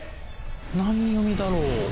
何読みだろう？